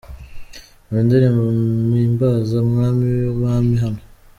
Umva indirimbo ’Mimbaza Mwami w’abami’ hano :.